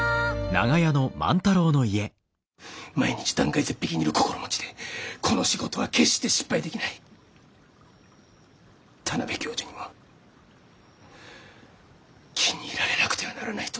毎日断崖絶壁にいる心持ちでこの仕事は決して失敗できない田邊教授にも気に入られなくてはならないと。